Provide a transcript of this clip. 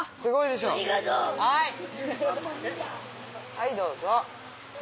はいどうぞ。